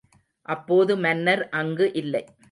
அப்போது மன்னர் அங்கு இல்லை.